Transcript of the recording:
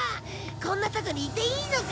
こんなとこにいていいのか？